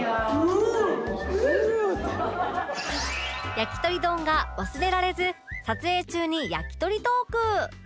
やきとり丼が忘れられず撮影中に焼き鳥トーク